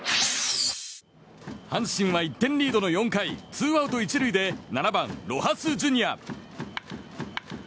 阪神は１点リードの４回ツーアウト１塁で７番、ロハス・ジュニア。